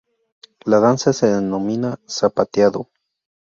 La danza se denomina zapateado.